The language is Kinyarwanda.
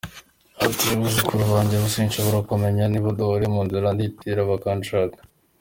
Ati “Abuzukuru banjye bo sinshobora kubamenya niyo duhurirye mu nzira ndihitira Banganshaka”.